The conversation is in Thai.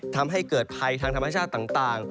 ทำให้เกิดภัยทางธรรมชาติต่าง